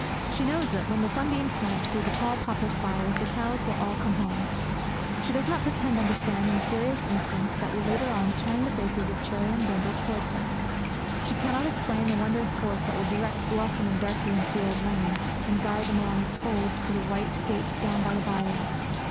She knows that, when the sunbeams slant through the tall poplar spires, the cows will all come home. She does not pretend to understand the mysterious instinct that will later on turn the faces of Cherry and Brindle towards her. She cannot explain the wondrous force that will direct Blossom and Darkie into the old lane, and guide them along its folds to the white gate down by the byre.